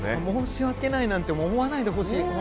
申し訳ないなんて思わないでほしい。